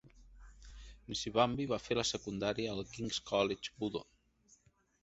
Nsibambi va fer la secundària al King's College Budo.